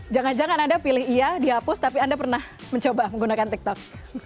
jangan jangan anda pilih iya dihapus tapi anda pernah mencoba menggunakan tiktok